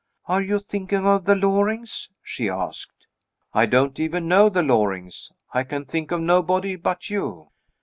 "Are you thinking of the Lorings?" she asked. "I don't even know the Lorings. I can think of nobody but you."